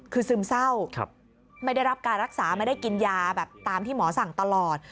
คือซึมเศร้าไม่ได้รับการรักษาไม่ได้กินยาแบบตามที่หมอสั่งตลอด